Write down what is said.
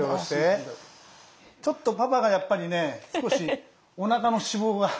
ちょっとパパがやっぱりね少しおなかの脂肪が。